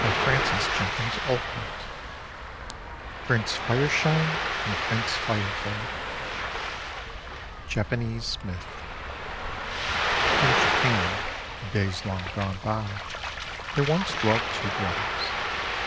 PRINCE FIRESHINE 227 PRINCE FIRESHINE AND PRINCE FIREFADE Japanese Myth IN Japan, in days long gone by, there once dwelt two brothers.